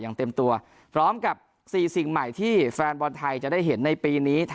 อย่างเต็มตัวพร้อมกับ๔สิ่งใหม่ที่แฟนบอลไทยจะได้เห็นในปีนี้